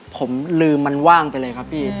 ผมลืมมันว่างไปเลยครับพี่